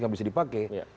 yang bisa dipakai